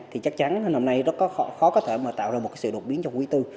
thì chắc chắn hôm nay nó khó có thể mà tạo ra một sự đột biến trong quý bốn